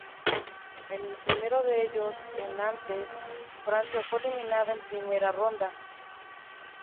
En el primero de ellos, en Nantes, Francia fue eliminada en primera ronda.